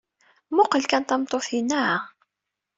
Mmuqqel kan tameṭṭut-inna!